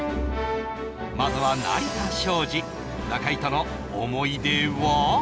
まずは成田昭次中居との思い出は？